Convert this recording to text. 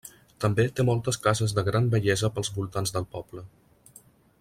També té moltes cases de gran bellesa pels voltants del poble.